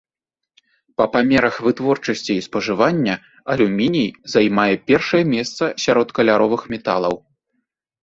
Па памерах вытворчасці і спажывання алюміній займае першае месца сярод каляровых металаў.